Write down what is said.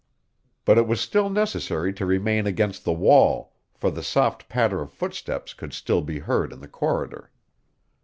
But it was still necessary to remain against the wall, for the soft patter of footsteps could still be heard in the corridor.